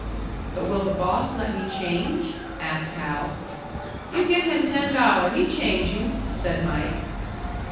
"But will the boss let me change?" asked Hal. "You give him ten dollar, he change you," said Mike.